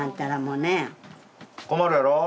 困るやろ？